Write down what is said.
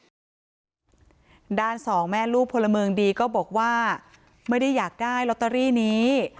ด้านสองแม่ลูกพลเมืองดีก็บอกว่าไม่ได้อยากได้ลอตเตอรี่นี้